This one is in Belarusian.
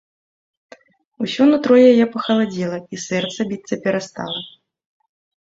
Усё нутро яе пахаладзела, і сэрца біцца перастала.